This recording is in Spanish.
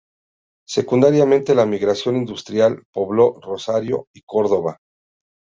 Secundariamente la migración "industrial" pobló Rosario y Córdoba.